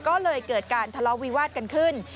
ก็เลยเกิดการทะเลาะวิวาสกันขึ้น